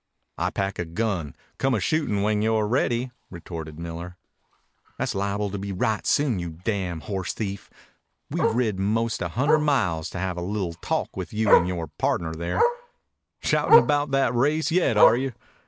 "I pack a gun. Come a shootin' when you're ready," retorted Miller. "Tha's liable to be right soon, you damn horsethief. We've rid 'most a hundred miles to have a li'l' talk with you and yore pardner there." "Shoutin' about that race yet, are you?